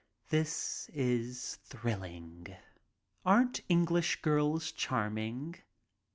This is thrilling. Aren't English girls charming?